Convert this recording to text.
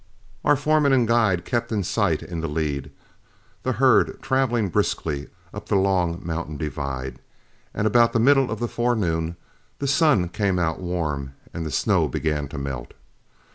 Our foreman and guide kept in sight in the lead, the herd traveling briskly up the long mountain divide, and about the middle of the forenoon the sun came out warm and the snow began to melt.